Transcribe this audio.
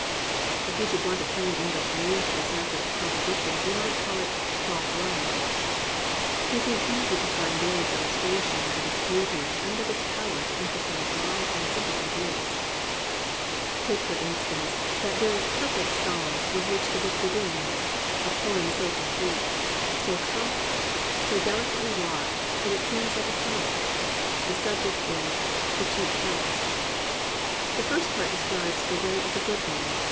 If we should want a plain English name for this method of composition we might call it thought rhyme. It is easy to find varied illustrations of its beauty and of its power to emphasize large and simple ideas. 42 POETRY IN THE PSALMS Take for instance that very perfect psalm with which the book begins — a poem so complete, so compact, so delicately wrought that it seems like a sonnet. The subject is The Two Paths. The first part describes the way of the good man.